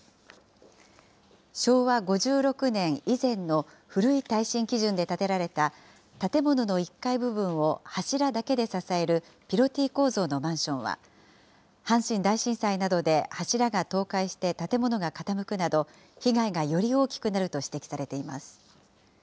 昭和５６年以前の古い耐震基準で建てられた建物の１階部分を柱だけで支えるピロティ構造のマンションは、阪神大震災などで柱が倒壊して、建物が傾くなど、被害がより大きくなると指摘されています。